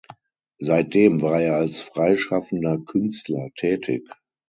Seitdem war er als freischaffender Künstler tätig.